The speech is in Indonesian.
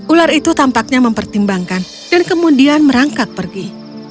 ular itu tampaknya mempertimbangkan dan kemudian merangkak pergi